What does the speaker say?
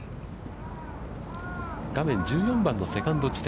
画面１４番のセカンド地点。